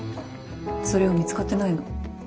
それが見つかってないの。